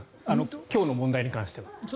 今日の問題に関しては。